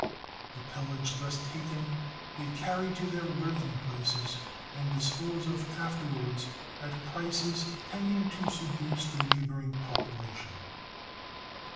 The pillage thus taken they carry to their lurking places, and dispose of afterwards at prices tending to seduce the neighboring population.